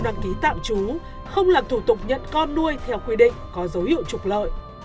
đăng ký tạo chú không làm thủ tục nhận con nuôi theo quy định có dấu hiệu trục lợi